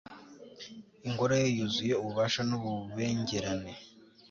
ingoro ye yuzuye ububasha n'ububengerane